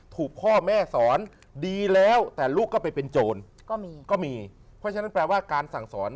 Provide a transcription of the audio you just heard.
ถูกพ่อแม่สอนดีแล้วแต่ลูกก็ไปเป็นโจรก็มีก็มีเพราะฉะนั้นแปลว่าการสั่งสอน